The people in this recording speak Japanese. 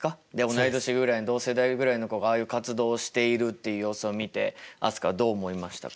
同い年ぐらいの同世代ぐらいの子がああいう活動をしているっていう様子を見て飛鳥はどう思いましたか？